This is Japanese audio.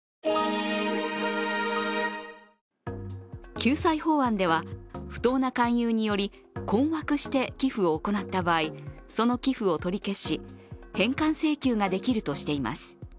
救済法案では不当な勧誘により困惑して寄付を行った場合その寄付を取り消し返還請求ができるとしています。